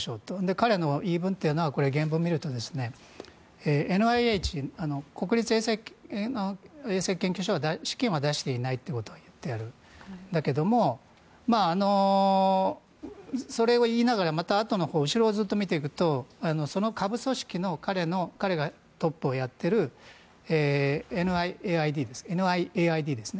彼の言い分というのは原文を見るとＮＩＨ・国立衛生研究所は資金は出していないということを言っているんだけどそれを言いながらまたあとの後ろをずっと見ていくとその下部組織の彼がトップをやっているＮＩＡＩＤですね